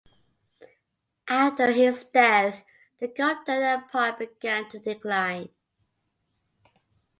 After his death, the Gupta empire began to decline.